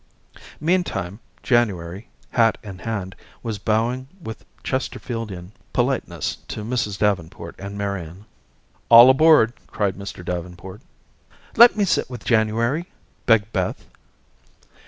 Meantime, January, hat in hand, was bowing with Chesterfieldian politeness to Mrs. Davenport and Marian. "All aboard," cried Mr. Davenport. "Let me sit with January," begged Beth.